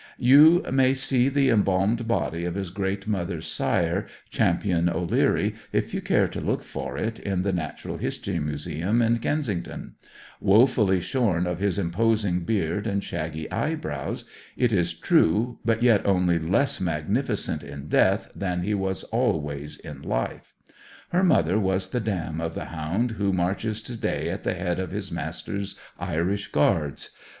You may see the embalmed body of his great mother's sire, Champion O'Leary, if you care to look for it, in the Natural History Museum at Kensington; woefully shorn of his imposing beard and shaggy eyebrows, it is true, but yet only less magnificent in death than he was always in life. Her mother was the dam of the hound who marches to day at the head of His Majesty's Irish Guards.